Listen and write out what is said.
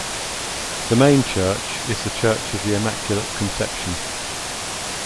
The main church is the Church of the Immaculate Conception.